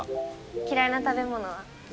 嫌いな食べ物は？